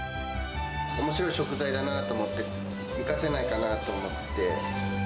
おもしろい食材だなと思って、生かせないかなと思って。